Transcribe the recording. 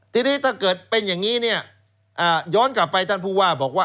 ทีนี้ถ้าเกิดเป็นอย่างนี้เนี่ยย้อนกลับไปท่านผู้ว่าบอกว่า